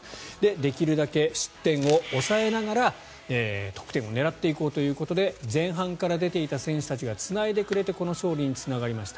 できるだけ失点を抑えながら得点を狙っていこうということで前半から出ていた選手たちがつないでくれてこの勝利につながりました。